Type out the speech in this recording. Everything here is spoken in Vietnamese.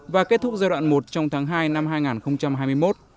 và kết thúc giai đoạn một trong tháng hai năm hai nghìn hai mươi một